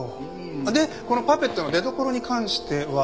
でこのパペットの出どころに関しては？